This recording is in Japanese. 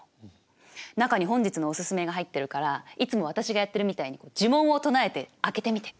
中に本日のオススメが入ってるからいつも私がやってるみたいに呪文を唱えて開けてみて！